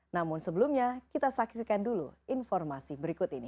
namun sebelumnya kita saksikan dulu informasi berikut ini